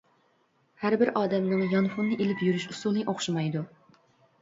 ھەر بىر ئادەمنىڭ يانفوننى ئېلىپ يۈرۈش ئۇسۇلى ئوخشىمايدۇ.